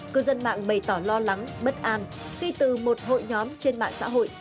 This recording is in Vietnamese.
cư dân mạng bày tỏ lo lắng bất an khi từ một hội nhóm trên mạng xã hội